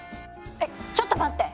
えっちょっと待って！